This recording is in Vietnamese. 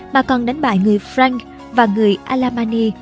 mà còn đánh bại người frank và người alamanni